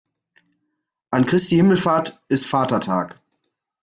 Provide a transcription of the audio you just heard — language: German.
An Christi Himmelfahrt ist Vatertag.